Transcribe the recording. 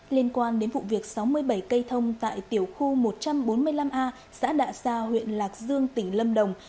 liên quan đến vụ việc sáu mươi bảy cây thông tại tiểu khu một trăm bốn mươi năm a xã đạ sa huyện lạc dương tỉnh lâm đồng